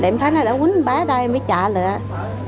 lại em khá là đã quýnh bá đây mới trả lại